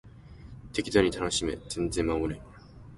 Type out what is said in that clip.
適度に楽しめ全然守れん